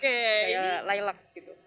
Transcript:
kayak lilac gitu